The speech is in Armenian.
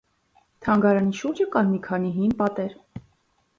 Թանգարանի շուրջը կան մի քանի հին պատեր։